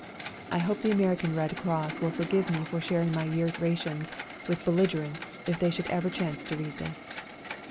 I hope the American Red Cross will forgive me for sharing my year's rations with belligerents if they should ever chance to read this.